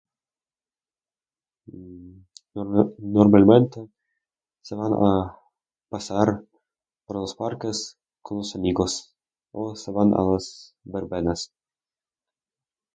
Mmm, normalmente se van a pasear por los parques con los amigos o se van a las verbenas.